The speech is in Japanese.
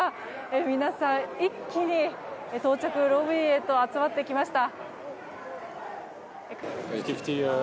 皆さん、一気に到着ロビーへと集まってきました。